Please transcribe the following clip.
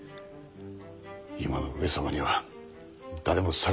今の上様には誰も逆らえぬ。